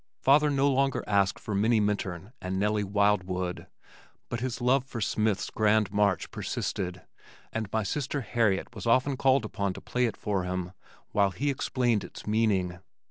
Father no longer asked for Minnie Minturn and Nellie Wildwood, but his love for Smith's Grand March persisted and my sister Harriet was often called upon to play it for him while he explained its meaning.